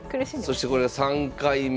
そしてこれが３回目。